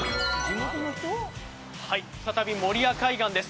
再び守谷海岸です。